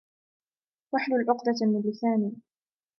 واحلل عقدة من لساني